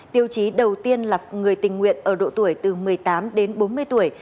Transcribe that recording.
tiêu chí đầu tiên là người tình nguyện ở độ tuổi từ một mươi tám đến bốn mươi tuổi